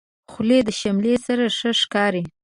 خولۍ د شملې سره ښه ښکاري.